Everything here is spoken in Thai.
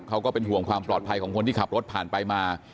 ก็เป็นห่วงความปลอดภัยของคนที่ขับรถผ่านไปมา